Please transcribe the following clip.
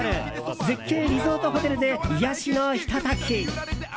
絶景リゾートホテルで癒やしのひと時。